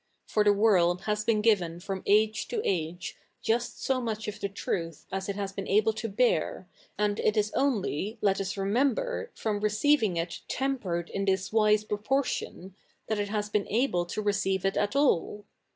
For the world has been given from age to age just so much of the truth as it has been able to bear, ajid it is only, let us re7nember, from receivi7ig it te7npered in this wise proportion, that it has beeti able to receive it at all.